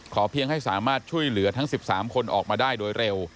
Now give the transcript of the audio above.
เพียงให้สามารถช่วยเหลือทั้ง๑๓คนออกมาได้โดยเร็ว